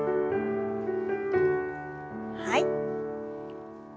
はい。